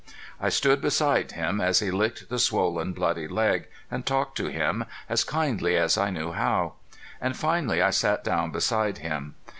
I stood beside him, as he licked the swollen, bloody leg, and talked to him, as kindly as I knew how. And finally I sat down beside him.